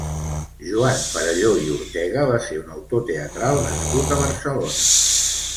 Joan Perelló i Ortega va ser un autor teatral nascut a Barcelona.